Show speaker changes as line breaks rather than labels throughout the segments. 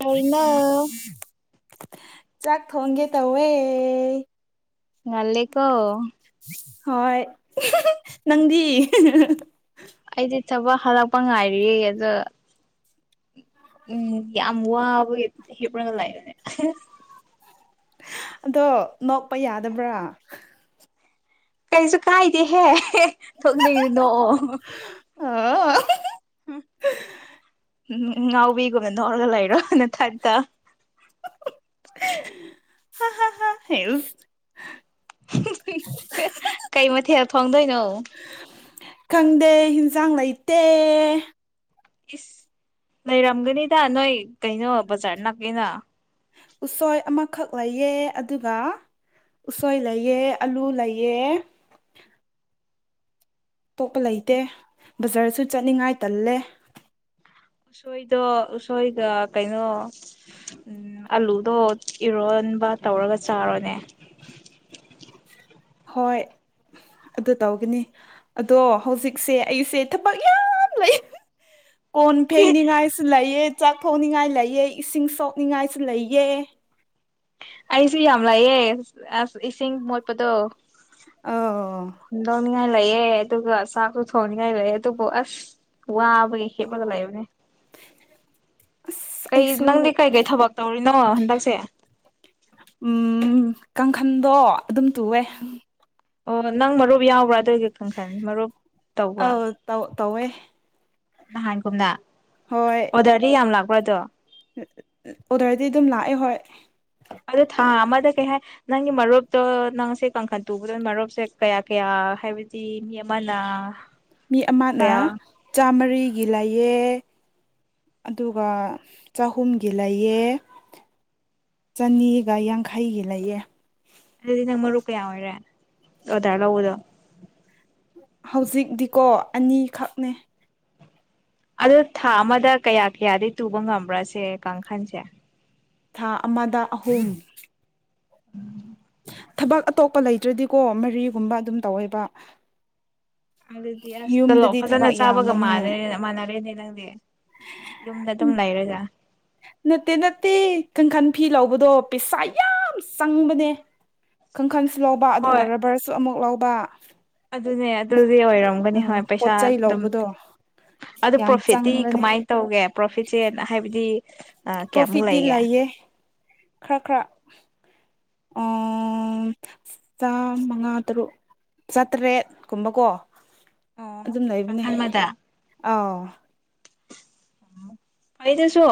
ꯀꯩꯗꯧꯔꯤꯅꯣ
ꯆꯥꯛ ꯊꯣꯡꯒꯦ ꯇꯧꯋꯦ꯫
ꯉꯜꯂꯤꯀꯣ
ꯍꯣꯏ [unintelligible] ꯅꯪꯗꯤ [unintelligible]
ꯑꯩꯗꯤ ꯊꯕꯛ ꯍꯜꯂꯛꯄ ꯉꯥꯏꯔꯤꯌꯦ ꯑꯗꯣ ꯎꯝ ꯌꯥꯝ ꯋꯥꯕꯒꯤ ꯍꯤꯄ ꯔꯒ ꯂꯩꯕꯅꯦ [unintelligible]
ꯑꯗꯣ ꯅꯣꯛꯄ ꯌꯥꯗꯕ꯭ꯔꯥ?
ꯀꯩꯁꯨ ꯀꯥꯏꯗꯦꯍꯦ ꯊꯣꯛꯅꯤꯡ [unintelligible] ꯅꯣꯛꯑꯣ
ꯑ [unintelligible]
ꯍꯨꯝ [unintelligible] ꯉꯥꯎꯕꯤꯒꯨꯝꯅ ꯅꯣꯛꯔꯒ ꯂꯩꯔꯣ ꯅꯊꯟꯛꯇ꯫
[unintelligible] ꯍ ꯍ ꯍ ꯍꯦꯜꯁ
[unintelligible] ꯀꯩ ꯃꯊꯦꯜ ꯊꯣꯡꯗꯣꯏꯅꯣ?
ꯈꯪꯗꯦ ꯍꯤꯟꯖꯥꯡ ꯂꯩꯇꯦ꯫
ꯏꯁ ꯂꯩꯔꯝꯒꯅꯤꯗ ꯅꯣꯏ ꯀꯩꯅꯣ ꯕꯖꯥꯔ ꯂꯥꯛꯑꯦꯅ꯫
ꯎꯁꯣꯏ ꯑꯃꯈꯛ ꯂꯩꯌꯦ ꯑꯗꯨꯒ ꯎꯁꯣꯏ ꯂꯩꯌꯦ ꯑꯂꯨ ꯂꯩꯌꯦ ꯇꯣꯛꯄ ꯂꯩꯇꯦ ꯕꯖꯥꯔꯁꯨ ꯆꯠꯅꯤꯡꯉꯥꯏ ꯇꯜꯂꯦ꯫
ꯎꯁꯣꯏꯗꯣ ꯎꯁꯣꯏꯒ ꯀꯩꯅꯣ [unintelligible] ꯑꯂꯨꯗꯣ ꯏꯔꯣꯟꯕ ꯇꯧꯔꯒ ꯆꯥꯔꯣꯅꯦ꯫
ꯍꯣꯏ ꯑꯗꯨ ꯇꯧꯒꯅꯤ꯫ ꯑꯗꯣ ꯍꯧꯖꯤꯛꯁꯦ ꯑꯩꯁꯦ ꯊꯕꯛ ꯌꯥꯝ ꯂꯩ꯫ ꯀꯣꯟ ꯐꯦꯡꯅꯤꯡꯉꯥꯏꯁꯨ ꯂꯩꯌꯦ ꯆꯥꯛ ꯊꯣꯡꯅꯤꯡꯉꯥꯏ ꯂꯩꯌꯦ ꯏꯁꯤꯡ ꯁꯣꯛꯅꯤꯡꯉꯥꯏꯁꯨ ꯂꯩꯌꯦ꯫
ꯑꯩꯁꯨ ꯌꯥꯝ ꯂꯩꯌꯦ ꯑꯁ ꯏꯁꯤꯡ ꯃꯣꯠꯄꯗꯣ
ꯑ
ꯂꯧꯅꯤ ꯉꯥꯏ ꯂꯩꯌꯦ ꯑꯗꯨꯒ ꯆꯥꯛꯁꯨ ꯊꯣꯡꯅꯤꯡꯉꯥꯏ ꯂꯩꯌꯦ ꯑꯗꯨꯕꯨ ꯑꯁ ꯋꯥꯕꯒꯤ ꯍꯤꯄꯂꯒ ꯂꯩꯕꯅꯦ꯫
ꯑꯁ
ꯀꯩ
ꯑꯩꯁꯨ
ꯅꯪꯗꯤ ꯀꯩꯀꯩ ꯊꯕꯛ ꯇꯧꯔꯤꯅꯣ ꯍꯟꯗꯛꯁꯦ?
ꯎꯝ ꯀꯥꯡꯈꯟꯗꯣ ꯑꯗꯨꯝ ꯇꯨꯋꯦ꯫
ꯑꯣ ꯅꯪ ꯃꯔꯨꯞ ꯌꯥꯎꯕ꯭ꯔꯥ ꯑꯗꯨꯒꯤ ꯀꯥꯡꯈꯟ ꯃꯔꯨꯞ ꯇꯧꯕ꯭ꯔꯥ
ꯑꯧ ꯇꯧ ꯇꯧꯋꯦ
ꯅꯍꯥꯟꯀꯨꯝꯅ
ꯍꯣꯏ
ꯑꯣꯗꯔꯗꯤ ꯌꯥꯝ ꯂꯥꯛꯄ꯭ꯔꯥ ꯗꯣ?
ꯑꯣꯗꯔꯗꯤ ꯗꯨꯝ ꯂꯥꯛꯑꯦ ꯍꯣꯏ꯫
ꯑꯗꯨ ꯊꯥ ꯑꯃꯗ ꯀꯩ ꯍꯥꯏ ꯅꯪꯒꯤ ꯃꯔꯨꯞꯇꯣ ꯅꯪꯁꯦ ꯀꯥꯡꯈꯟ ꯇꯨꯕꯗ ꯃꯔꯨꯞꯁꯦ ꯀꯌꯥ ꯀꯌꯥ ꯍꯥꯏꯕꯗꯤ ꯃꯤ ꯑꯝ ꯃꯅꯥ
ꯃꯤ ꯑꯃꯅ ꯆꯥꯝꯃꯔꯤꯒꯤ ꯂꯩꯌꯦ ꯑꯗꯨꯒ ꯆꯍꯨꯝꯒꯤ ꯂꯩꯌꯦ ꯆꯅꯤꯒ ꯌꯥꯡꯈꯩꯒꯤ ꯂꯩꯌꯦ꯫
ꯑꯗꯨꯗꯤ ꯅꯪ ꯃꯔꯨꯞ ꯀꯌꯥ ꯑꯣꯏꯔꯦ ꯑꯣꯗꯔ ꯂꯧꯕꯗꯣ?
ꯍꯧꯖꯤꯛꯗꯤꯀꯣ ꯑꯅꯤꯈꯛꯅꯦ꯫
ꯑꯗꯨ ꯊꯥ ꯑꯃꯗ ꯀꯌꯥ ꯀꯌꯥꯗꯤ ꯇꯨꯕ ꯉꯝꯕ꯭ꯔꯁꯦ ꯀꯥꯡꯈꯟꯁꯦ?
ꯊꯥ ꯑꯃꯗ ꯑꯍꯨꯝ ꯊꯕꯛ ꯑꯇꯣꯞꯄ ꯂꯩꯇ꯭ꯔꯗꯤꯀꯣ ꯃꯔꯤꯒꯨꯝꯕ ꯑꯗꯨꯝ ꯇꯧꯋꯦꯕ
ꯑꯗꯨꯗꯤ ꯑꯁ ꯇꯣꯂꯣꯞ
ꯌꯨꯝꯗꯗꯤ
ꯐꯖꯅ
ꯊꯕꯛ
ꯆꯥꯕꯒ
ꯌꯥꯝꯕꯅꯤꯅ
ꯃꯥꯟꯅꯔꯦ ꯃꯥꯟꯅꯔꯦꯅꯦ ꯅꯪꯗꯤ ꯌꯨꯝꯗ ꯑꯗꯨꯝ
ꯎꯝ
ꯂꯩꯔꯒ
ꯅꯠꯇꯦ ꯅꯠꯇꯦ ꯀꯥꯡꯈꯟ ꯐꯤ ꯂꯧꯕꯗꯣ ꯄꯩꯁꯥ ꯌꯥꯝ ꯆꯪꯕꯅꯦ ꯀꯥꯡꯈꯟꯁꯨ ꯂꯧꯕ ꯑꯗꯨꯒ
ꯍꯣꯏ
ꯔꯕꯔꯁꯨ ꯑꯃꯨꯛ ꯂꯧꯕ
ꯑꯗꯨꯅꯦ ꯑꯗꯨꯗꯤ ꯑꯣꯏꯔꯝꯒꯅꯤ
ꯎꯝ
ꯍꯣꯏ ꯄꯩꯁꯥ
ꯄꯣꯠ ꯆꯩ
ꯑꯗꯨꯝ
ꯂꯧꯕꯗꯣ
ꯄꯤ ꯑꯗꯨ
ꯌꯥꯝ
ꯄ꯭ꯔꯣꯐꯤꯠꯇꯤ
ꯆꯪꯕꯅꯦ
ꯀꯃꯥꯏꯅ ꯇꯧꯒꯦ ꯄ꯭ꯔꯣꯐꯤꯠꯁꯦ ꯍꯥꯏꯕꯗꯤ ꯀꯌꯥꯃꯨꯛ
ꯄ꯭ꯔꯣꯐꯤꯠꯇꯤ
ꯂꯩꯒꯦ
ꯂꯩꯌꯦ ꯈꯔ ꯈꯔ ꯑꯣ ꯆꯥꯃꯉꯥ ꯇꯔꯨꯛ ꯆꯥꯇ꯭ꯔꯦꯠ ꯀꯨꯝꯕꯀꯣ
ꯑꯣ
ꯑꯗꯨꯝ ꯂꯩꯕꯅꯦ
ꯀꯥꯡꯈꯜ ꯑꯃꯗ
ꯑꯥꯎ
ꯐꯩ ꯑꯗꯨꯁꯨ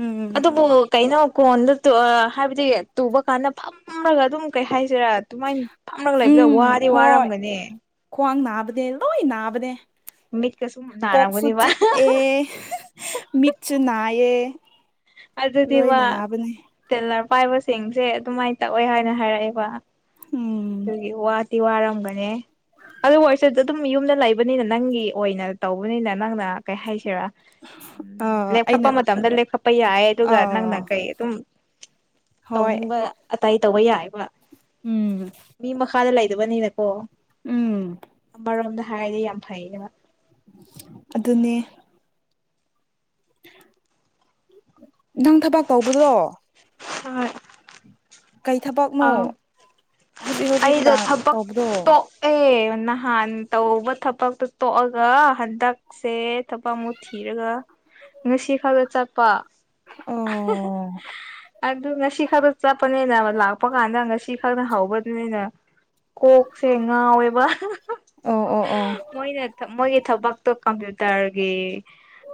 ꯎꯝ
ꯑꯗꯨꯕꯨ ꯀꯩꯅꯣ ꯀꯣꯟꯗ ꯇꯨ ꯑꯥ ꯍꯥꯏꯕꯗꯤ ꯇꯨꯕ ꯀꯥꯟꯗ ꯐꯝꯔꯒ ꯑꯗꯨꯝ ꯀꯩ ꯍꯥꯏꯁꯤꯔꯥ ꯑꯗꯨꯃꯥꯏꯅ ꯐꯝꯔꯒ ꯂꯩꯕꯗ
ꯎꯝ
ꯋꯥꯗꯤ
ꯍꯣꯏ
ꯋꯥꯔꯝꯒꯅꯤ
ꯈ꯭ꯋꯥꯡ ꯅꯥꯕꯅꯦ ꯂꯣꯏ ꯅꯥꯕꯅꯦ
ꯃꯤꯠꯀ ꯁꯨꯝ
ꯀꯣꯛ ꯁꯨ
ꯅꯥꯔꯝꯒꯅꯤꯕ
ꯆꯤꯛꯑꯦ ꯃꯤꯠꯁꯨ ꯅꯥꯏꯌꯦ
ꯑꯗꯨꯗꯤꯕ
ꯂꯣꯏꯅ ꯅꯥꯕꯅꯦ
ꯇꯦꯂꯔ ꯄꯥꯏꯕꯁꯤꯡꯁꯦ ꯑꯗꯨꯃꯥꯏꯅ ꯇꯧꯋꯦ ꯍꯥꯏꯅ ꯍꯥꯏꯔꯛꯑꯦꯕ
ꯎꯝ
ꯑꯗꯨꯒꯤ ꯋꯥꯗꯤ ꯋꯥꯔꯝꯒꯅꯦ ꯑꯗꯨꯕꯨ ꯑꯣꯏꯔꯁꯨ ꯑꯗꯨꯝ ꯌꯨꯝꯗ ꯂꯩꯕꯅꯤꯅ ꯅꯪꯒꯤ ꯑꯣꯏꯅ ꯇꯧꯕꯅꯤꯅ ꯅꯪꯅ ꯀꯩ ꯍꯥꯏꯁꯤꯔꯥ ꯎꯝ
ꯑꯥ ꯑꯩꯅ
ꯂꯦꯞꯈꯠꯄ ꯃꯇꯝꯗ ꯂꯦꯞꯈꯠꯄ ꯌꯥꯏ ꯑꯗꯨꯒ ꯅꯪꯅ
ꯑꯥ
ꯀꯩ ꯑꯗꯨꯝ
ꯍꯣꯏ
ꯇꯧꯅꯤꯡꯕ ꯑꯇꯩ ꯇꯧꯕ ꯌꯥꯏꯕ
ꯎꯝ
ꯃꯤ ꯃꯈꯥꯗ ꯂꯩꯇꯕꯅꯤꯅꯀꯣ
ꯎꯝ
ꯑꯃꯔꯣꯝꯗ ꯍꯥꯏꯔꯗꯤ ꯌꯥꯝ ꯐꯩꯌꯦꯕ
ꯑꯗꯨꯅꯦ ꯅꯪ ꯊꯕꯛ ꯇꯧꯕꯗꯣ
ꯍꯣꯏ
ꯀꯩ ꯊꯕꯛꯅꯣ
ꯑꯥ
ꯍꯧꯖꯤꯛ ꯍꯧꯖꯤꯛ
ꯑꯩꯗꯣ ꯊꯕꯛ
ꯇꯧꯕꯗꯣ
ꯇꯣ ꯑꯦ ꯅꯍꯥꯟ ꯇꯧꯕ ꯊꯕꯛꯇꯣ ꯇꯣꯛꯑꯒ ꯍꯟꯗꯛꯁꯦ ꯊꯕꯛ ꯑꯃꯨꯛ ꯊꯤꯔꯒ ꯉꯁꯤ ꯈꯛꯇ ꯆꯠꯄ [unintelligible]
ꯑꯣ
ꯑꯗꯨ ꯉꯁꯤ ꯈꯛꯇ ꯆꯠꯄꯅꯤꯅ ꯂꯥꯛꯄ ꯀꯥꯟꯗ ꯉꯁꯤ ꯈꯛꯇ ꯍꯧꯕꯅꯤꯅ ꯀꯣꯛꯁꯦ ꯉꯥꯎꯋꯦꯕ
ꯑꯣ ꯑꯣ ꯑꯣ
ꯃꯣꯏꯅ ꯊ ꯃꯣꯏꯒꯤ ꯊꯕꯛꯇꯣ ꯀꯝꯄ꯭ꯌꯨꯇꯔꯒꯤ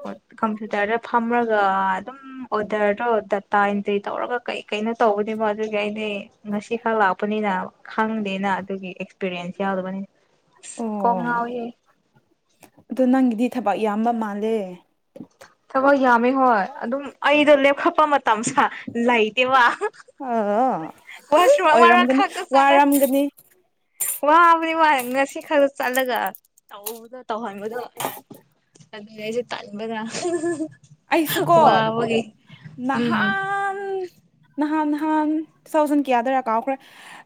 ꯍꯣꯏ ꯀꯝꯄ꯭ꯌꯨꯇꯔꯗ ꯐꯝꯔꯒ ꯑꯗꯨꯝ ꯎꯝ ꯑꯣꯗꯔꯗꯣ ꯗꯇꯥ ꯑꯦꯟꯇ꯭ꯔꯤ ꯇꯧꯔꯒ ꯀꯩꯀꯩꯅꯣ ꯇꯧꯕꯅꯦꯕ ꯑꯗꯨꯒꯤ ꯑꯩꯗꯤ ꯉꯁꯤ ꯈꯛ ꯂꯥꯛꯄꯅꯤꯅ ꯈꯪꯗꯦꯅ ꯑꯗꯨꯒꯤ ꯑꯦꯛꯁꯄꯤꯔꯤꯌꯦꯟꯁ ꯌꯥꯎꯗꯕꯅꯤꯅ ꯑꯁ ꯀꯣꯛ
ꯑꯣ
ꯉꯥꯎꯋꯤꯍꯦ
ꯑꯗꯣ ꯅꯪꯒꯤꯗꯤ ꯊꯕꯛ ꯌꯥꯝꯕ ꯃꯥꯜꯂꯦ
ꯊꯕꯛ ꯌꯥꯝꯃꯤ ꯍꯣꯏ ꯑꯗꯨꯝ ꯑꯩꯗꯣ ꯂꯦꯞꯈꯠꯄ ꯃꯠ ꯇꯝ ꯁ ꯂꯩꯇꯦꯕ
ꯑ
ꯋꯥꯁꯔꯨꯨꯝ ꯑꯃꯔꯛ
ꯑꯣꯏꯔꯝꯒꯅꯤ
ꯈꯛꯇ ꯆꯠꯔꯦ
ꯋꯥꯔꯝꯒꯅꯤ
ꯋꯥꯕꯗꯤ ꯋꯥꯏ ꯉꯁꯤ ꯈꯛꯇ ꯆꯠꯂꯒ ꯇꯧꯕꯗꯣ ꯇꯧꯍꯟꯕꯗꯣ ꯏꯁ ꯑꯗꯨꯅꯦ ꯑꯩꯁꯨ ꯇꯟꯕꯅꯥ
ꯑꯩꯁꯨꯀꯣ
ꯎꯝ
ꯅꯍꯥꯟ ꯅꯍꯥꯟ ꯅꯍꯥꯟ ꯇꯨ ꯊꯥꯎꯖꯟ ꯀꯌꯥꯗꯔꯥ ꯀꯥꯎꯈ꯭ꯔꯦ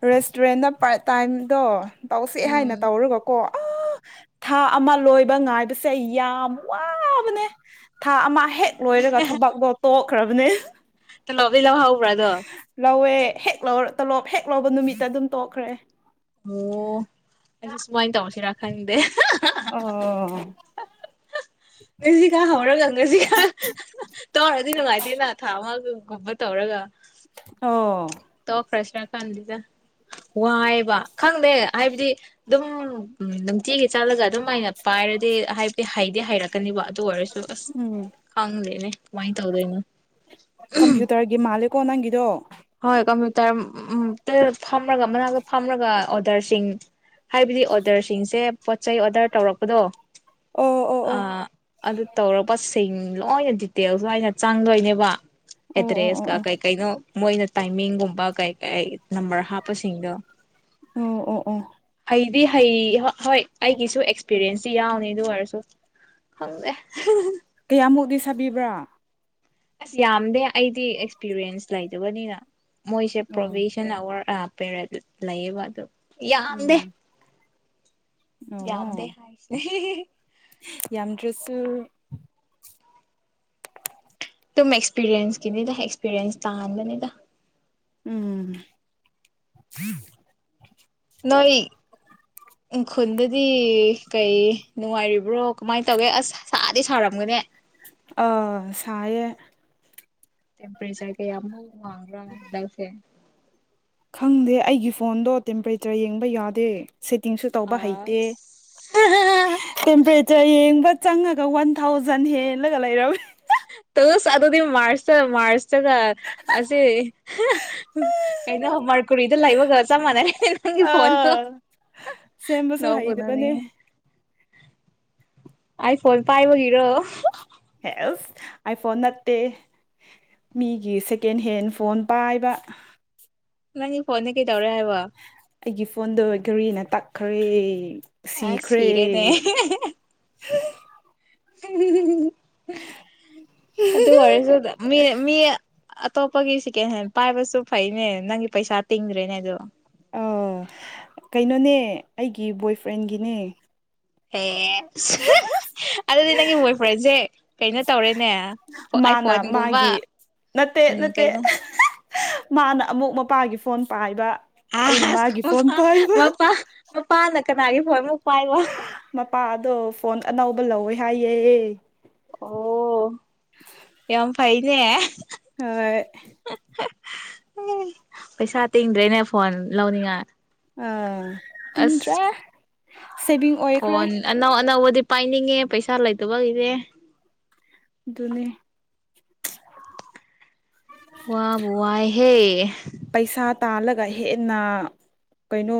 ꯔꯦꯁꯇꯨꯔꯦꯟꯗ ꯄꯥꯔꯠ ꯇꯥꯏꯝꯗꯣ ꯇꯧꯁꯦ ꯍꯥꯏꯅ
ꯎꯝ
ꯇꯧꯔꯒ ꯀꯣ ꯎ ꯊꯥ ꯑꯃ ꯂꯣꯏꯕ ꯉꯥꯏꯕꯁꯦ ꯌꯥꯝ ꯋꯥꯕꯅꯦ ꯊꯥ ꯑꯃ ꯍꯦꯛ ꯂꯣꯏꯔꯒ ꯊꯕꯛꯛꯇꯣ ꯇꯣꯛꯈ꯭ꯔꯕꯅꯦ
ꯇꯣꯂꯣꯞ ꯗꯤ ꯂꯧꯍꯧꯕ꯭ꯔꯥ ꯑꯗꯣ
ꯂꯧꯋꯦ ꯍꯦꯛ ꯂꯧꯔ ꯇꯣꯂꯣꯞ ꯍꯦꯛ ꯂꯧꯕ ꯅꯨꯃꯤꯠꯇ ꯑꯗꯨꯝ ꯇꯣꯛꯈ꯭ꯔꯦ
ꯑꯣ ꯑꯩꯁꯨ ꯁꯨꯃꯥꯏꯅ ꯇꯧꯁꯤꯔꯥ ꯈꯪꯗꯦ
ꯑꯣ ꯑꯣ
ꯉꯁꯤꯀꯥ ꯍꯧꯔꯒ ꯉꯁꯤꯀꯥ ꯇꯧꯔꯗꯤ ꯅꯨꯡꯉꯥꯏꯇꯦꯅ ꯊꯥ ꯑꯃꯒꯒꯨꯝꯕ ꯇꯧꯔꯒ
ꯑꯣ
ꯇꯣꯛꯈꯔ꯭ ꯁꯤꯔ ꯈꯟꯗꯦꯗ ꯋꯥꯏꯕ ꯈꯪꯗꯦ ꯍꯥꯏꯕꯗꯤ ꯗꯨꯝ ꯎꯝ ꯅꯨꯡꯇꯤꯒꯤ ꯆꯠꯂꯒ ꯑꯗꯨꯃꯥꯏꯅ ꯄꯥꯏꯔꯗꯤ ꯍꯥꯏꯗꯤ ꯍꯩꯗꯤ ꯍꯥꯏꯔꯛ ꯀꯅꯤꯕ ꯑꯗꯨ ꯑꯣꯏꯔꯁꯨ ꯑꯁ
ꯎꯝ
ꯈꯪꯗꯦꯅꯦ ꯀꯃꯥꯏꯟ ꯇꯧꯗꯣꯏꯅꯣ
ꯒꯤ ꯃꯥꯜꯂꯦꯀꯣ ꯅꯪꯒꯤꯗꯣ
ꯍꯣꯏ ꯀꯝꯄ꯭ꯌꯨꯇꯔ ꯇ ꯐꯝꯔꯒ ꯃꯅꯥꯛꯇ ꯐꯝꯔꯒ ꯑꯣꯗꯔꯁꯤꯡ ꯍꯥꯏꯕꯗꯤ ꯑꯣꯗꯔꯁꯤꯡꯁꯦ ꯄꯣꯠꯆꯩ ꯑꯣꯔꯗꯔ ꯇꯧꯔꯛꯄꯗꯣ
ꯑꯣ ꯑꯣ
ꯑ
ꯑꯣ
ꯑꯗꯨ ꯇꯧꯔꯕꯁ ꯁꯤꯡ ꯂꯣꯏꯅ ꯗꯤꯇꯦꯜꯁ ꯂꯣꯏꯅ ꯆꯪꯗꯣꯏꯅꯦꯕ
ꯑꯣ ꯑꯣ ꯑꯣ
ꯑꯦꯗ꯭ꯔꯦꯁꯀ
ꯑꯣ
ꯀꯩ ꯀꯩꯅꯣ ꯃꯣꯏꯅ ꯇꯥꯏꯃꯤꯡꯒꯨꯝꯕ ꯀꯩ ꯀꯩ ꯅꯝꯕꯔ ꯍꯥꯞꯄꯁꯤꯡꯗꯣ
ꯎꯝ ꯑꯣ ꯑꯣ
ꯍꯩꯗꯤ ꯍꯩ ꯍ ꯍꯣꯏꯠ ꯑꯩꯒꯤꯁꯨ ꯑꯦꯛꯁꯄꯤꯔꯦꯟꯁꯇꯤ ꯌꯥꯎꯅꯤ ꯑꯗꯨ ꯑꯣꯏꯔꯁꯨ ꯈꯪꯗꯦ
ꯀꯌꯥꯃꯨꯛꯗꯤ ꯁꯥꯕꯤꯕ꯭ꯔꯥ
ꯑꯁ ꯌꯥꯝꯗꯦ ꯑꯩꯗꯤ ꯑꯦꯛꯁꯄꯤꯔꯤꯌꯦꯟꯁ ꯂꯩꯇꯕꯅꯤꯅ ꯃꯣꯏꯁꯦ
ꯑꯣ
ꯄ꯭ꯔꯣꯕꯤ ꯇꯦꯟ ꯑꯋꯥꯔ ꯑꯥ ꯄꯦꯔꯦꯠ ꯂꯩꯌꯦꯕ ꯑꯗꯨ ꯌꯥꯝꯗꯦ
ꯎꯝ
ꯌꯥꯝꯗꯦ
ꯑꯣ ꯌꯥꯝꯗ꯭ꯔꯁꯨ
ꯇꯨꯝ ꯑꯦꯛꯁꯄꯤꯔꯦꯟꯁꯀꯤꯅꯤꯗ ꯑꯦꯛꯁꯄꯤꯔꯦꯟꯁ ꯇꯥꯟꯕꯅꯤꯗ
ꯎꯝ
ꯅꯣꯏ
[inaudible]
ꯎꯈꯨꯟꯗꯗꯤ ꯀꯩ ꯅꯨꯡꯉꯥꯏꯔꯤꯕ꯭ꯔꯣ ꯀꯃꯥꯏ ꯇꯧꯋꯦ ꯑꯁ ꯁꯥꯗꯤ ꯁꯥꯥꯔꯝꯒꯅꯦ
ꯑ ꯁꯥꯏꯌꯦ
ꯇꯦꯝꯄꯔꯦꯆꯔ ꯀꯌꯥꯃꯨꯛ ꯋꯥꯡꯕꯔ꯭ ꯍꯟꯗꯛꯁꯦ
ꯈꯪꯗꯦ ꯑꯩꯒꯤ ꯐꯣꯟꯗꯣ ꯇꯦꯝꯄꯔꯦꯆꯔ ꯌꯦꯡꯕ ꯌꯥꯗꯦ ꯁꯦꯠꯇꯤꯡꯁꯨ ꯇꯧꯕ ꯍꯩꯇꯦ
ꯑꯁ
ꯇꯦꯝꯄꯦꯔꯦꯆꯔ ꯌꯦꯡꯕ ꯆꯪꯉꯒ ꯋꯥꯟ ꯊꯥꯎꯖꯟ ꯍꯦꯜꯂꯒ ꯂꯩꯔꯝꯃꯦ
ꯇꯣꯁ ꯑꯗꯨꯗꯤ ꯃꯥꯔꯁ ꯇꯥ ꯃꯥꯔꯁ ꯇꯒꯥ ꯑꯁꯦ ꯀꯩꯅꯣ ꯃꯥꯔꯀꯨꯔꯤꯗ ꯂꯩꯕꯒ ꯆꯞ ꯃꯥꯟꯅꯔꯦ ꯅꯪꯒꯤ ꯐꯣꯟꯗꯣ
ꯑꯥ ꯁꯦꯝꯕꯁꯨ
ꯅꯣꯛꯄꯨ
ꯍꯩꯇꯕꯩꯅꯦ
ꯅꯣꯛꯅꯤꯡꯉꯦ ꯑꯥꯏꯐꯣꯟ ꯄꯥꯏꯕꯒꯤꯔꯣ
ꯍꯦꯁ ꯑꯥꯏ ꯐꯣꯟ ꯅꯠꯇꯦ ꯃꯤꯒꯤ ꯁꯦꯀꯦꯟ ꯍꯦꯟ ꯐꯣꯟ ꯄꯥꯏꯕ
ꯅꯪꯒꯤ ꯐꯣꯟꯗꯤ ꯀꯩꯗꯧꯔꯦ ꯍꯥꯏꯕ
ꯑꯩꯒꯤ ꯐꯣꯟꯗꯣ ꯘꯔꯤꯅ ꯇꯛꯈ꯭ꯔꯦ
ꯑꯁ
ꯁꯤꯈ꯭ꯔꯦ
ꯁꯤꯔꯦꯅꯦ ꯑꯗꯨ ꯑꯣꯏꯔꯁꯨ ꯃꯤ ꯃꯤ ꯑꯇꯣꯞꯄꯒꯤ ꯁꯦꯀꯦꯟ ꯍꯦꯟ ꯄꯥꯏꯕꯁꯨ ꯐꯩꯅꯦ ꯅꯪꯒꯤ ꯄꯩꯁꯥ ꯇꯤꯡꯗ꯭ꯔꯦꯅꯦ ꯑꯗꯣ
ꯀꯩꯅꯣꯅꯦ ꯑꯩꯒꯤ ꯕꯣꯏꯐ꯭ꯔꯦꯟꯒꯤꯅꯦ
ꯑꯦ ꯑꯗꯨꯗꯤ ꯅꯪꯒꯤ ꯕꯣꯏ ꯐ꯭ꯔꯦꯟꯁꯦ ꯀꯩꯅꯣ ꯇꯧꯔꯦꯅꯦ
ꯃꯥꯅ
ꯑꯥꯏꯐꯣꯟꯒꯨꯝꯕ
ꯃꯥꯒꯤ ꯅꯠꯇꯦ
ꯎꯝ
ꯅꯠꯇꯦ
ꯀꯩꯅꯣ
ꯃꯥꯅ ꯑꯃꯨꯛ ꯃꯄꯥꯒꯤ ꯐꯣꯟ ꯄꯥꯏꯕ ꯑꯩꯅ ꯃꯥꯒꯤ ꯐꯣꯟ ꯄꯥꯏꯕ
ꯃꯄꯥꯥꯅ ꯀꯅꯥꯒꯤ ꯐꯣꯏ ꯑꯃꯨꯛ ꯄꯥꯏꯕ
ꯃꯄꯥꯗꯣ ꯐꯣꯟ ꯑꯅꯧꯕ ꯂꯧꯋꯦ ꯍꯥꯏꯌꯦ
ꯑꯣ ꯌꯥꯝ ꯐꯩꯅꯦ
ꯍꯣꯏ
ꯑꯦ ꯄꯩꯁꯥ ꯇꯤꯡꯗ꯭ꯔꯦꯅꯦ ꯐꯣꯟ ꯂꯧꯅꯤꯡꯉꯥꯏ
ꯑꯥ
ꯑꯁ
ꯇꯤꯟꯗ꯭ꯔꯦ ꯁꯦꯕꯤꯡ
ꯐꯣꯟ ꯑꯅꯧ ꯑꯅꯧꯕꯗꯤ ꯄꯥꯏꯅꯤꯡꯉꯦ ꯄꯩꯁꯥ ꯂꯩꯇꯕꯒꯤꯅꯦ
ꯑꯗꯨꯅꯦ
ꯋꯥꯕꯨ ꯋꯥꯏꯍꯦ
ꯄꯩꯁꯥ ꯇꯥꯜꯂꯒ ꯍꯦꯟꯅ ꯀꯩꯅꯣ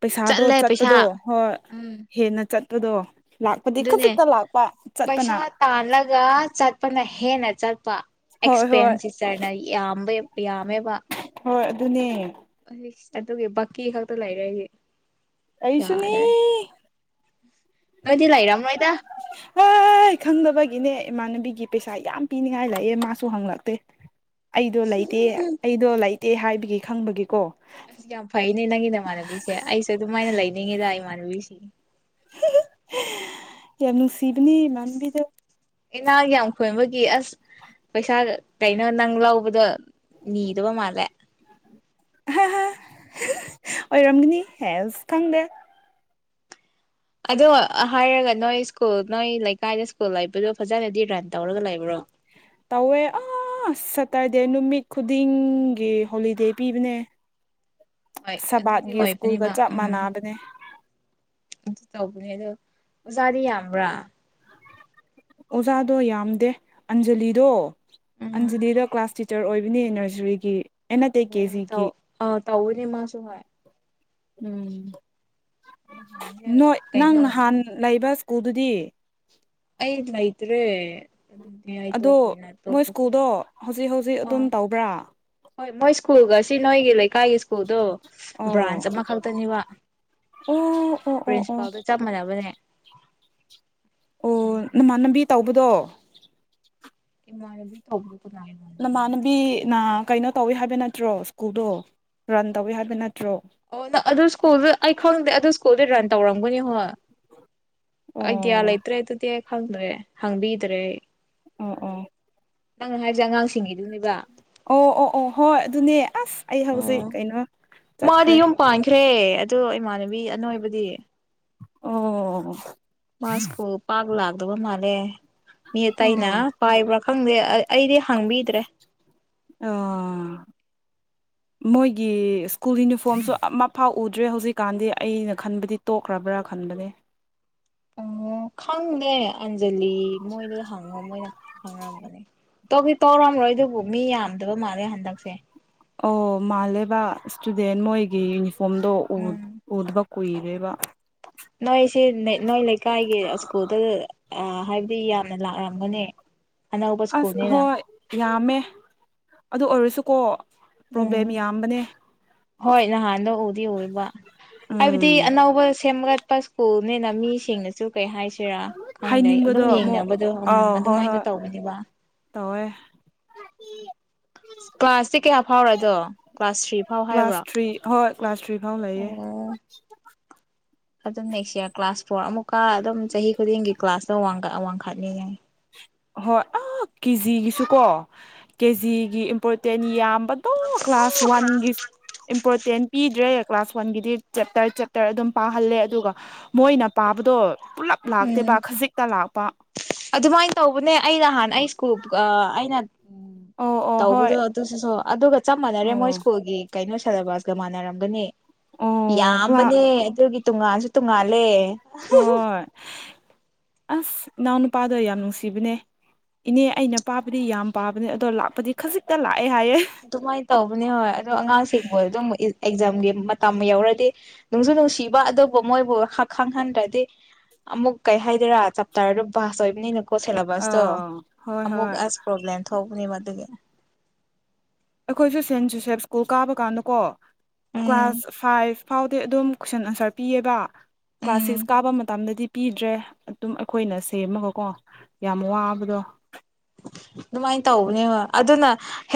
ꯄꯩꯁꯥꯗꯣ
ꯆꯠꯂꯦ ꯄꯩꯁꯥ
ꯆꯠꯄꯗꯣ ꯍꯣꯏ
ꯎꯝ
ꯍꯦꯟꯅ ꯆꯠꯄꯗꯣ ꯂꯥꯛꯄꯗꯤ
ꯑꯗꯨꯅꯦ
ꯈꯖꯤꯛꯇ ꯂꯥꯛꯄ ꯆꯠꯄꯅ
ꯄꯩꯁꯥ ꯇꯥꯜꯂꯒ ꯆꯠꯄꯅ ꯍꯦꯟꯅ ꯆꯠꯄ
ꯍꯣꯏ ꯍꯣꯏ
ꯑꯦꯛꯁꯄꯦꯟꯁꯤꯞ ꯆꯔꯅ ꯌꯥꯝꯕ ꯌꯥꯝꯃꯦꯕ
ꯍꯣꯏ ꯑꯗꯨꯅꯦ
ꯑꯗꯨꯒꯤ ꯕꯀꯤ ꯈꯛꯇ ꯂꯩꯔꯦ ꯑꯩꯒꯤ
ꯑꯩꯁꯨꯅꯤ
ꯌꯥꯗ꯭ꯔꯦ ꯅꯣꯏꯗꯤ ꯂꯩꯔꯝꯃꯣꯏꯗ
ꯎꯝ [inaudible] ꯍꯦ ꯈꯪꯗꯕꯒꯤꯅꯦ ꯏꯃꯥꯟꯅꯕꯤꯒꯤ ꯄꯩꯁꯥ ꯌꯥꯝ ꯄꯤꯅꯤꯡꯉꯥꯏ ꯂꯩꯑꯦ ꯃꯥꯁꯨ ꯍꯪꯂꯛꯇꯦ ꯑꯩꯗꯣ ꯂꯩꯇꯦ ꯑꯩꯗꯣ ꯂꯩꯇꯦ ꯍꯥꯏꯕꯒꯤ ꯈꯪꯕꯒꯤꯀꯣ
ꯑꯁ ꯌꯥꯝ ꯐꯩꯅꯦ ꯅꯪꯒꯤ ꯅꯃꯥꯟꯅꯕꯤꯁꯦ ꯑꯩꯁꯨ ꯑꯗꯨꯃꯥꯏꯅ ꯂꯩꯅꯤꯡꯉꯤꯗ ꯏꯃꯥꯟꯅꯕꯤꯁꯤ
ꯌꯥꯝ ꯅꯨꯡꯁꯤꯕꯅꯦ ꯏꯃꯥꯟꯅꯕꯤꯗ
ꯏꯅꯥꯛ ꯌꯥꯝ ꯈꯨꯟꯕꯒꯤ ꯑꯁ ꯄꯩꯁꯥ ꯀꯩꯅꯣ ꯅꯪ ꯂꯧꯕꯗꯣ ꯅꯤꯗꯕ ꯃꯥꯜꯂꯦ
ꯍꯥ ꯍꯥ ꯑꯣꯏꯔꯝꯒꯅꯤ ꯍꯦꯁ ꯈꯪꯗꯦ
ꯑꯗꯣ ꯍꯥꯏꯔꯒ ꯅꯣꯏ ꯁ꯭ꯀꯨꯜ ꯅꯣꯏ ꯂꯩꯀꯥꯏꯗ ꯁ꯭ꯀꯨꯜ ꯂꯩꯕꯗꯣ ꯐꯖꯅꯗꯤ ꯔꯟ ꯇꯧꯔꯒ ꯂꯩꯕ꯭ꯔꯣ
ꯇꯧꯋꯦ ꯑꯁ ꯁꯇꯔꯗꯦ ꯅꯨꯃꯤꯠ ꯈꯨꯗꯤꯡꯒꯤ ꯍꯣꯂꯤꯗꯦ ꯄꯤꯕꯅꯦ
ꯍꯣꯏ ꯑꯗꯨꯗꯤ
ꯁꯕꯥꯠꯀꯤ ꯁ꯭ꯀꯨꯜꯒ
ꯑꯣꯏꯕꯅꯦꯕ
ꯆꯞ
ꯎꯝ
ꯃꯥꯟꯅꯕꯅꯦ
ꯑꯗꯨ ꯇꯧꯕꯅꯦ ꯑꯗꯣ ꯑꯣꯖꯥꯗꯤ ꯌꯥꯝꯕ꯭ꯔꯥ
ꯑꯣꯖꯥꯗꯣ ꯌꯥꯝꯗꯦ ꯑꯟꯖꯂꯤꯗꯣ
ꯎꯝ
ꯑꯟꯖꯂꯤꯗ ꯀ꯭ꯂꯥꯁ ꯇꯤꯆꯔ ꯇꯤꯆꯔ ꯑꯣꯏꯕꯅꯤ ꯅꯔꯁꯔꯤꯒꯤ
ꯑꯣ ꯇꯧ ꯑꯥ ꯇꯧꯕꯅꯤ ꯃꯁꯨꯨ ꯍꯣꯏ
ꯎꯝ
ꯍꯖ
ꯅꯣꯏ ꯅꯪ
ꯀꯩꯅꯣꯠ
ꯅꯍꯥꯟ ꯂꯩꯕ ꯁ꯭ꯀꯨꯜꯗꯨꯗꯤ
ꯑꯩꯗ ꯂꯩꯇꯔꯦ
ꯑꯗꯣ ꯃꯣꯏ ꯁ꯭ꯀꯨꯜꯗꯣ ꯍꯧꯖꯤꯛ ꯍꯧꯖꯤꯛ ꯑꯗꯨꯝ
ꯑꯥ
ꯇꯧꯕ꯭ꯔꯥ
ꯍꯣꯏ ꯃꯣꯏ ꯁ꯭ꯀꯨꯜꯒ ꯁꯤ ꯅꯣꯏꯒꯤ ꯂꯩꯀꯥꯏꯒꯤ ꯁ꯭ꯀꯨꯜꯗꯣ
ꯑꯣ
ꯕ꯭ꯔꯥꯟꯁ ꯑꯃꯈꯛꯇꯅꯦꯕ
ꯑꯣ ꯑꯣ ꯑꯣ ꯑꯣ
ꯄꯥꯎꯗꯣ ꯆꯞ ꯃꯥꯟꯅꯕꯅꯦ
ꯑꯣ
ꯑꯗꯨꯒꯤ
ꯅꯃꯥꯟꯅꯕꯤ ꯇꯧꯕꯗꯣ
ꯏꯃꯅꯕꯤ ꯇꯧꯕꯗꯨ ꯀꯅꯥꯥꯏꯅ
ꯅꯃꯥꯟꯅꯕꯤ ꯅ ꯀꯩꯅꯣ ꯇꯧꯋꯤ ꯍꯥꯏꯕ ꯅꯠꯇ꯭ꯔꯣ ꯁ꯭ꯀꯨꯜꯗꯣ ꯔꯟ ꯇꯧꯋꯤ ꯍꯥꯏꯕ ꯅꯠꯇ꯭ꯔꯣ
ꯑꯣ ꯅꯪ ꯑꯗꯨ ꯁ꯭ꯀꯨꯜꯗ ꯑꯩ ꯈꯪꯗꯦ ꯑꯗꯨ ꯁ꯭ꯀꯨꯜꯗ ꯔꯟ ꯇꯧꯔꯝꯒꯅꯤ ꯍꯣ ꯑꯥꯏꯗꯤꯌꯥ
ꯑꯣ
ꯂꯩꯇ꯭ꯔꯦ ꯑꯗꯨꯗꯤ ꯑꯩ ꯈꯪꯗ꯭ꯔꯦ ꯍꯪꯕꯤꯗ꯭ꯔꯦ
ꯑꯣ ꯑꯣ
ꯅꯪꯅ ꯍꯥꯏꯁꯦ ꯑꯉꯥꯡꯁꯤꯡꯉꯗꯨꯅꯦꯕ
ꯑꯣ ꯑꯣ ꯑꯣ ꯍꯣꯏ ꯑꯗꯨꯅꯦ ꯑꯁ ꯑꯩ ꯍꯧꯖꯤꯛ
ꯑꯣ
ꯀꯩꯅꯣ
ꯃꯥꯗꯤ
ꯆꯠꯈ꯭ꯔꯦ
ꯌꯨꯝ ꯄꯥꯟꯈ꯭ꯔꯦ ꯑꯗꯣ ꯏꯃꯥꯟꯅꯕꯤ ꯑꯅꯣꯏꯕꯗꯤ
ꯑꯣ
ꯃꯥ ꯄꯥꯛ ꯂꯥꯛꯗꯕ ꯃꯥꯂꯦ ꯃꯤ ꯑ ꯇꯥꯏꯅ
ꯑꯣ
ꯄꯥꯏꯕ꯭ꯔꯥ ꯈꯪꯗꯦ ꯑꯩꯗꯤ ꯍꯥꯡꯕꯤꯗ꯭ꯔꯦ
ꯑ ꯃꯣꯏꯒꯤ ꯁ꯭ꯀꯨꯜ ꯌꯨꯅꯤꯐꯣꯔꯝꯁꯨ ꯑꯃꯐꯥꯎ ꯎꯗ꯭ꯔꯦ ꯍꯧꯖꯤꯛꯀꯥꯟꯗꯤ ꯑꯩꯅ ꯈꯟꯕꯗꯤ ꯇꯣꯛꯈ꯭ꯔꯕ꯭ꯔꯥ ꯈꯟꯕꯅꯦ
ꯑꯣ ꯈꯪꯗꯦ ꯑꯟꯖꯂꯤ ꯃꯣꯏꯗ ꯍꯪꯉꯣ ꯃꯣꯏꯅ ꯈꯪꯅꯔꯝꯒꯅꯤ ꯇꯧꯏ ꯇꯧꯔꯝꯔꯣꯏ ꯑꯗꯨꯕꯨ ꯃꯤ ꯌꯥꯝꯗꯕ ꯃꯥꯜꯂꯦ ꯍꯟꯗꯛꯁꯦ
ꯑꯣ ꯃꯥꯜꯂꯦꯕ ꯏꯁꯇꯨꯗꯦꯟ ꯃꯣꯏꯒꯤ ꯌꯨꯅꯤꯐꯣꯔꯝꯗꯣ ꯎ
ꯎꯝ
ꯎ ꯗꯕ ꯀꯨꯏꯔꯦꯕ
ꯅꯣꯏꯁꯤ ꯅꯣꯏ ꯂꯩꯀꯥꯏꯒꯤ ꯁ꯭ꯀꯨꯜꯗ ꯑ ꯍꯥꯏꯕꯗꯤ ꯌꯥꯝꯅ ꯂꯥꯛꯂꯝꯒꯅꯤ
ꯑꯁ ꯍꯣꯏ ꯌꯥꯝꯃꯦ ꯑꯗꯨ ꯑꯣꯏꯔꯁꯨꯀꯣ ꯄ꯭ꯔꯣꯕ꯭ꯂꯦꯝ
ꯎꯝ
ꯌꯥꯝꯕꯅꯦ
ꯍꯣꯏ ꯅꯍꯥꯟꯗ ꯎꯗꯤ ꯎꯕ ꯍꯥꯏꯕꯗꯤ
ꯎꯝ
ꯑꯅꯧꯕ ꯁꯦꯝꯒꯠꯄ [unintelligible] ꯃꯤꯁꯤꯡꯅꯁꯨ ꯀꯩ ꯍꯥꯏꯁꯤ ꯁꯤꯔꯥ ꯈꯪꯗꯦ ꯑꯗꯨꯝ
ꯍꯥꯏꯅꯤꯡꯕꯗꯣ ꯑꯃꯨꯛ
ꯌꯦꯡꯅꯕꯗꯣ ꯎꯝ
ꯑꯥꯎ ꯍꯣꯏ
ꯑꯗꯨꯃꯥꯏꯅ
ꯍꯣꯏ
ꯇꯧꯕꯅꯦꯕ
ꯇꯧꯋꯦ
ꯀ꯭ꯂꯥꯁꯇꯤ ꯀꯌꯥ ꯐꯥꯎꯔꯗꯣ ꯀ꯭ꯂꯥꯁ ꯊ꯭ꯔꯤ ꯐꯥꯎ
ꯀ꯭ꯂꯥꯁ
ꯍꯥꯏꯕ꯭ꯔꯣ
ꯊ꯭ꯔꯤ ꯍꯣꯏ ꯀ꯭ꯂꯥꯁ ꯊ꯭ꯔꯤ ꯐꯥꯎ ꯂꯩꯌꯦ
ꯑꯗꯨ ꯅꯦꯛꯁꯌꯥꯔ ꯀ꯭ꯂꯥꯁ ꯐꯣꯔ ꯑꯃꯨꯛꯀ ꯑꯗꯨꯝ ꯆꯍꯤ ꯈꯨꯗꯤꯡꯒꯤ ꯀ꯭ꯂꯥꯁꯇꯣ ꯋꯥꯡꯈꯠ ꯋꯥꯡꯈꯠꯅꯤꯌꯦ
ꯍꯣꯏ ꯑ ꯀꯦꯖꯤꯒꯤꯁꯨ ꯀꯣ ꯀꯦꯖꯤꯒꯤ ꯏꯝꯄꯣꯔꯇꯦꯟ ꯌꯥꯝ ꯕꯥꯇꯣ ꯀ꯭ꯂꯥꯁ ꯋꯥꯟꯒꯤ ꯏꯝꯄꯣꯔꯇꯦꯟ ꯄꯤꯗ꯭ꯔꯦ ꯀ꯭ꯂꯥꯁ ꯋꯥꯟꯒꯤꯗꯤ ꯆꯦꯞꯇꯔ ꯆꯦꯞꯇꯔ ꯑꯗꯨꯝ ꯄꯥꯍꯜꯂꯦ ꯑꯗꯨꯒ ꯃꯣꯏꯅ ꯄꯥꯕꯗꯣ ꯄꯨꯂꯞ ꯂꯥꯛꯇꯦꯕ
ꯎꯝ
ꯈꯖꯤꯛꯇ ꯂꯥꯛꯄ
ꯑꯗꯨꯃꯥꯏꯅ ꯇꯧꯕꯅꯦ ꯑꯩ ꯅꯍꯥꯟ ꯑꯩ ꯁ꯭ꯀꯨꯜ ꯑꯩꯅ
ꯑꯣ ꯑꯣ ꯍꯣꯏ
ꯇꯧꯕꯗꯣ [unintelligible] ꯑꯗꯨꯒ ꯆꯞ ꯃꯥꯟꯅꯔꯦ ꯃꯣꯏ
ꯑꯣ
ꯁ꯭ꯀꯨꯜꯒꯤ ꯀꯩꯅꯣ ꯁꯦꯂꯦꯕꯁꯀ ꯃꯥꯟꯅꯔꯝꯒꯅꯤ
ꯑꯣ ꯀ꯭ꯂꯥ
ꯌꯥꯝꯕꯅꯦ ꯑꯗꯨꯒꯤ ꯇꯨꯉꯥꯟꯁꯨ ꯇꯨꯉꯥꯜꯂꯦ
ꯍꯣꯏ ꯑꯁ ꯏꯅꯥꯎ ꯅꯨꯄꯥꯗꯣ ꯌꯥꯝ ꯅꯨꯡꯁꯤꯕꯅꯦ ꯏꯅꯦ ꯑꯩꯅ ꯄꯥꯕꯗꯤ ꯌꯥꯝ ꯄꯥꯕꯅꯦ ꯑꯗꯣ ꯂꯥꯛꯄꯗꯤ ꯈꯖꯤꯛꯇ ꯂꯥꯛꯑꯦ ꯍꯥꯏꯌꯦ
ꯑꯗꯨꯃꯥꯏ ꯇꯧꯕꯅꯦ ꯍꯣꯏ ꯑꯗꯣ ꯑꯉꯥꯡꯁꯤꯡ ꯃꯣꯏꯗꯣ ꯃꯨꯛ ꯑꯤꯛ ꯑꯦꯛꯖꯥꯝꯒꯤ ꯃꯇꯝ ꯌꯧꯔꯗꯤ ꯅꯨꯡꯁꯨꯨ ꯅꯨꯡꯁꯤꯕ ꯑꯗꯨꯕꯨ ꯃꯣꯏꯕꯨ ꯈꯪ ꯈꯪꯍꯟꯗ꯭ꯔꯗꯤ ꯑꯃꯨꯛ ꯀꯩ ꯍꯥꯏꯗꯣꯏꯔꯥ ꯆꯥꯞꯇꯔꯗꯣ ꯄꯥꯁ ꯑꯣꯏꯕꯅꯤꯅꯀꯣ ꯁꯦꯂꯥꯕꯁꯇꯣ
ꯑꯥ ꯍꯣꯏ
ꯑꯃꯨꯛ
ꯍꯣꯏ
ꯑꯁ ꯄ꯭ꯔꯣꯕ꯭ꯂꯦꯝ ꯊꯣꯛꯀꯥꯅꯤ ꯃꯗꯨꯒꯤ
ꯑꯩꯈꯣꯏꯁꯨ ꯁꯦꯟ ꯖꯨꯁꯦꯞ ꯁ꯭ꯀꯨꯜ ꯀꯥꯕ ꯀꯥꯟꯗ ꯀꯣ
ꯎꯝ
ꯀ꯭ꯂꯥꯁ ꯐꯥꯏꯚ ꯐꯥꯎ ꯑꯗꯨ ꯑꯗꯨꯝ ꯀꯣꯏꯁꯟ ꯑꯟꯁꯔ ꯄꯤꯑꯦꯕ ꯀ꯭ꯂꯥꯁ
ꯎꯝ
ꯁꯤꯛꯁ ꯀꯥꯕ ꯃꯇꯝꯗꯗꯤ ꯄꯤꯗ꯭ꯔꯦ ꯑꯗꯨꯝ ꯑꯩꯈꯣꯏꯅ ꯁꯦꯝꯃꯒꯀꯣ ꯌꯥꯝ ꯋꯥꯕꯗꯣ
ꯑꯗꯨꯃꯥꯏ ꯇꯧꯕꯅꯦ ꯑꯗꯨꯅ ꯍꯦ